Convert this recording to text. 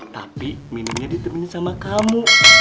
tapi mininya ditemani sama kamu